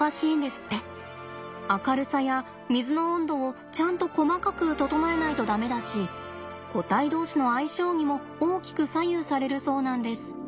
明るさや水の温度をちゃんと細かく整えないと駄目だし個体どうしの相性にも大きく左右されるそうなんです。